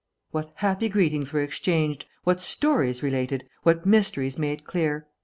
What happy greetings were exchanged, what stories related, what mysteries made clear!